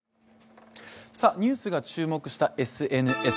ニュースが注目したＳＮＳ。